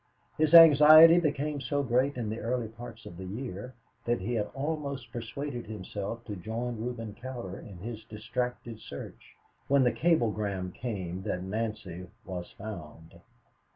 His anxiety became so great in the early part of the year that he had almost persuaded himself to join Reuben Cowder in his distracted search, when the cablegram came that Nancy was found.